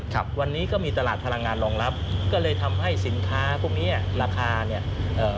ครับวันนี้ก็มีตลาดพลังงานรองรับก็เลยทำให้สินค้าพวกเนี้ยราคาเนี้ยเอ่อ